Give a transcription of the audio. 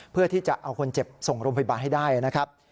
เพื่อที่จะเอาคนเจ็บส่งโรงพยาบาลให้ได้นะครับ